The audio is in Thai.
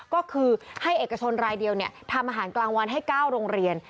ก็คือให้เอกชนรายเดียวทำอาหารกลางวันให้๙โรงเรียน